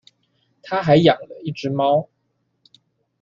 她還養了一隻貓